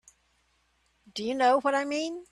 Do you know what I mean?